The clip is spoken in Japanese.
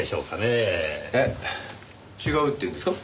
えっ違うっていうんですか？